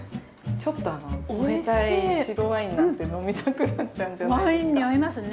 冷たい白ワインなんて飲みたくなっちゃうんじゃないですか。